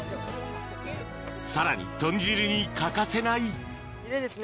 さらに豚汁に欠かせない奇麗ですね。